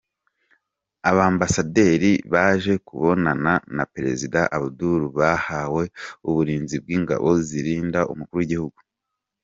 Abambasaderi baje kubonana na Perezida Abdul bahawe uburinzi bw’ingabo zirind umukuru w’igihugu.